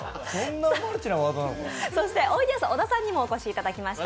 そしておいでやす小田さんにもお越しいただきました。